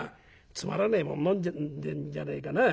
つまらねえもん飲んでんじゃねえかな。